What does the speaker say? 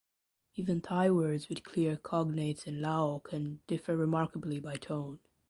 Even Thai words with clear cognates in Lao can differ remarkably by tone.